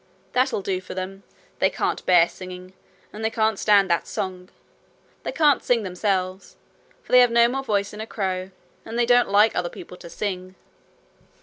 that'll do for them. They can't bear singing, and they can't stand that song. They can't sing themselves, for they have no more voice than a crow; and they don't like other people to sing.'